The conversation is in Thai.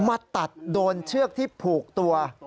มาตัดโดนเชือกที่ผูกตัว